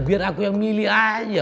biar aku yang milih aja